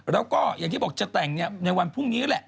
แล้วก็อย่างที่บอกจะแต่งในวันพรุ่งนี้แหละ